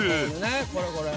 これこれ。